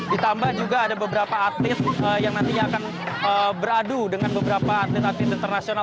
ditambah juga ada beberapa atlet yang nantinya akan beradu dengan beberapa atlet atlet internasional